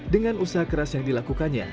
dengan usaha keras yang dilakukannya